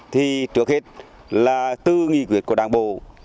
thì trước hết là từ nghị quyết của đảng bộ